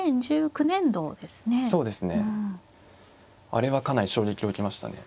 あれはかなり衝撃を受けましたね。